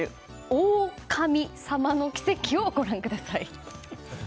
オオ神様の奇跡を、ご覧ください。